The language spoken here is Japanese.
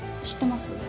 知ってます？